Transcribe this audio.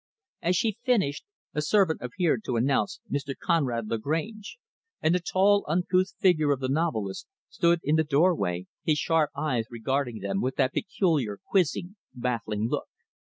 As she finished, a servant appeared to announce Mr. Conrad Lagrange; and the tall, uncouth figure of the novelist stood framed in the doorway; his sharp eyes regarding them with that peculiar, quizzing, baffling look.